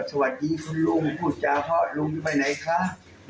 สวัสดีคุณลุงพูดจาเพราะลุงไปไหนคะ